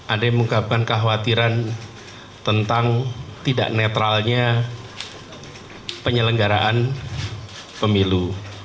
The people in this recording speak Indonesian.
ada yang mengungkapkan kekhawatiran tentang tidak netralnya penyelenggaraan pemilu